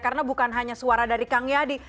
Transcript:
karena bukan hanya suara dari kang yadi